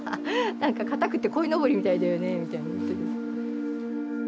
何かかたくてこいのぼりみたいだよねみたいに言ってる。